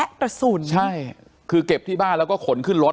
และกระสุนใช่คือเก็บที่บ้านแล้วก็ขนขึ้นรถ